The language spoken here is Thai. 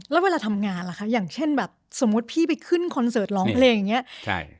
แล้วเวลาทำงานล่ะคะอย่างเช่นแบบสมมุติพี่ไปขึ้นคอนเสิร์ตร้องเพลงอย่างนี้ใช่